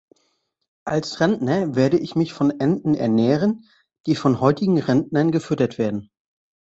Als Rentner werde ich mich von Enten ernähren, die von heutigen Rentnern gefüttert werden.